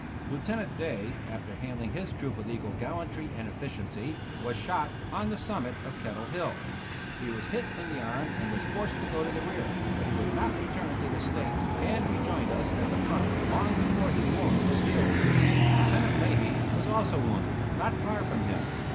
Lieutenant Day, after handling his troop with equal gallantry and efficiency, was shot, on the summit of Kettle Hill. He was hit in the arm and was forced to go to the rear, but he would not return to the States, and rejoined us at the front long before his wound was healed. Lieutenant Leahy was also wounded, not far from him.